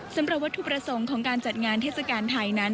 สำหรับวัตถุประสงค์ของการจัดงานเทศกาลไทยนั้น